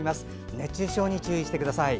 熱中症に注意してください。